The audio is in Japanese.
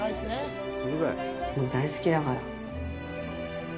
もう大好きだから。